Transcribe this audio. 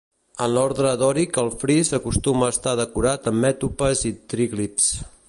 En l'ordre dòric el fris acostuma a estar decorat amb mètopes i tríglifs.